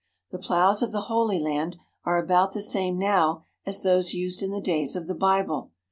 The ploughs of the Holy Land are about the same now as those used in the days of the Bible.